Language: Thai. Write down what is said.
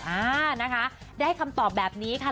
อ่านะคะได้คำตอบแบบนี้ค่ะ